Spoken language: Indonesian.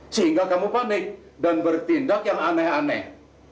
sehingga kamu panik dan bertindak yang aneh aneh